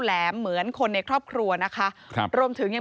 พี่ลองคิดดูสิที่พี่ไปลงกันที่ทุกคนพูด